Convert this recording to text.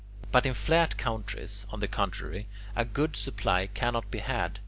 But in flat countries, on the contrary, a good supply cannot be had.